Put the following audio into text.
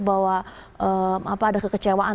bahwa ada kekecewaan